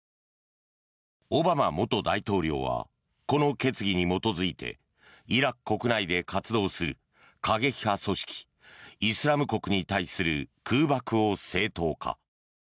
オバマ元大統領はこの決議に基づいてイラク国内で活動する過激派組織、イスラム国に対する空爆を正当化。